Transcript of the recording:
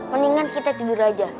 mendingan kita tidur aja